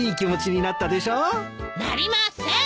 なりません！